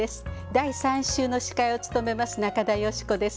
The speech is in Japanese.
第３週の司会を務めます中田喜子です。